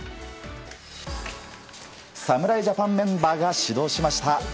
侍ジャパンメンバーが始動しました。